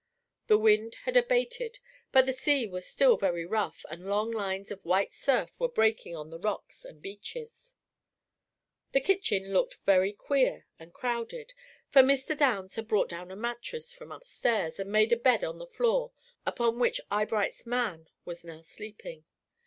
The wind had abated, but the sea was still very rough, and long lines of white surf were breaking on the rocks and beaches. The kitchen looked very queer and crowded, for Mr. Downs had brought down a mattress from upstairs, and made a bed on the floor, upon which Eyebright's "man" was now sleeping.